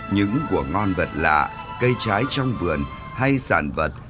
những của ngon vật lạ cây trái trong vườn hay sản vật